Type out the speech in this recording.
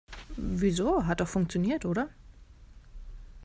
Wieso, hat doch funktioniert, oder?